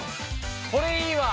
これいいわ。